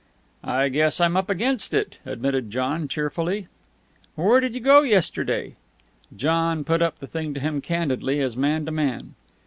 "I guess I'm up against it," admitted John cheerfully. "Where did you go yesterday?" John put the thing to him candidly, as man to man.